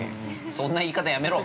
◆そんな言い方やめろ。